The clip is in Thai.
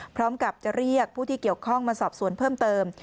พร้อมกับจะเรียกผู้ที่เกี่ยวข้องมาสอบสวนเพิ่มเติม